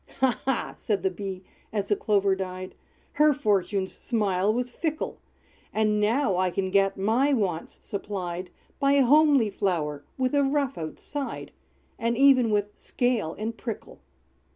"Ha, ha!" said the Bee, as the Clover died, "Her fortune's smile was fickle! And now I can get my wants supplied By a homely flower, with a rough outside. And even with scale and prickle!"